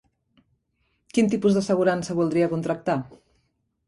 Quin tipus d'assegurança voldria contractar?